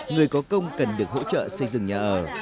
người có công cần được hỗ trợ xây dựng nhà ở